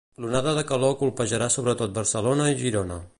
L'onada de calor colpejarà sobretot Barcelona i Girona.